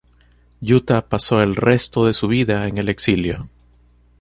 Jutta pasó el resto de su vida en el exilio.